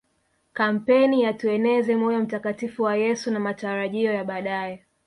kampeni ya tueneze moyo mtakatifu wa Yesu na matarajio ya baadae